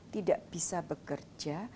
tidak bisa bekerja